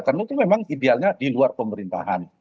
karena itu memang idealnya diluar pemerintahan